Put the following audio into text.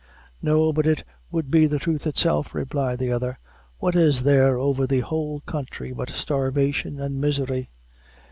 "No, but it would be the truth itself," replied the other. "What is there over the whole counthry but starvation and misery?"